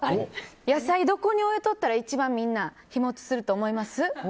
野菜、どこに置いとったら一番日持ちすると思います？